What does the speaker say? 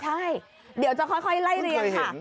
ใช่เดี๋ยวจะค่อยไล่เรียงค่ะ